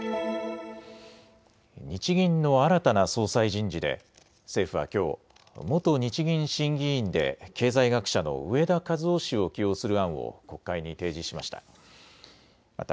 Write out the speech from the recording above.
日銀の新たな総裁人事で政府はきょう元日銀審議委員で経済学者の植田和男氏を起用する案を国会に提示しました。